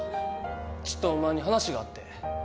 ちっとお前に話があって。